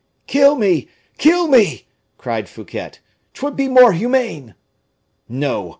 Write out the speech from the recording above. "Kill me! kill me!" cried Fouquet, "'twould be more humane!" "No!